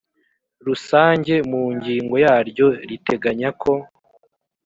rusange mu ngingo yaryo ya riteganya ko